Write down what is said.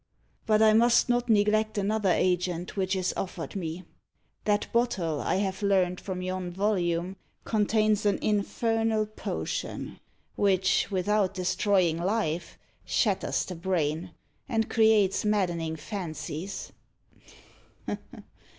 But I must not neglect another agent which is offered me. That bottle, I have learnt from yon volume, contains an infernal potion, which, without destroying life, shatters the brain, and creates maddening fancies.